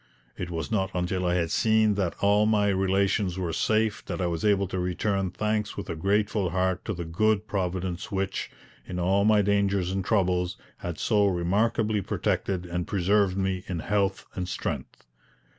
It was not until I had seen that all my relations were safe that I was able to return thanks with a grateful heart to the good Providence which, in all my dangers and troubles, had so remarkably protected and preserved me in health and strength.